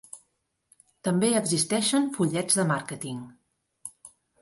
També existeixen fullets de màrqueting.